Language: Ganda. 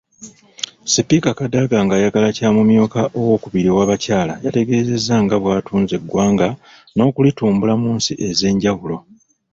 Sipiika Kadaga ng'ayagala kya mumyuka owookubiri ow’abakyala, yategeezezza nga bw'atunze eggwanga n’okulitumbula mu nsi ez’enjawulo.